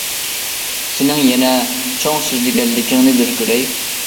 سېنىڭ يەنە چوڭ سۆزلىگەنلىكىڭنى بىر كۆرەي.